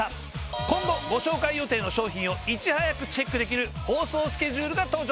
今後ご紹介予定の商品をいち早くチェックできる放送スケジュールが登場。